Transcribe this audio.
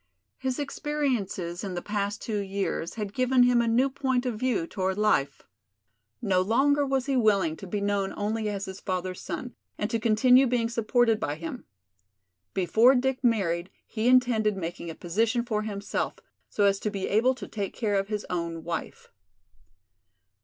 His experiences in the past two years had given him a new point of view toward life. No longer was he willing to be known only as his father's son and to continue being supported by him. Before Dick married he intended making a position for himself, so as to be able to take care of his own wife.